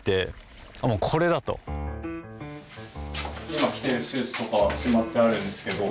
今着てるスーツとかしまってあるんですけど。